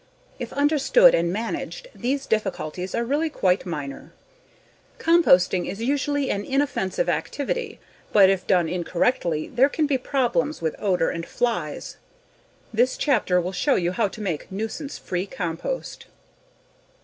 If understood and managed, these difficulties are really quite minor. Composting is usually an inoffensive activity, but if done incorrectly there can be problems with odor and flies. This chapter will show you how to make nuisance free compost.